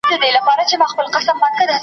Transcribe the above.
کلونه کیږي چي مي پل د یار لیدلی نه دی .